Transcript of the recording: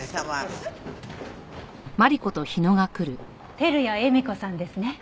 照屋江美子さんですね？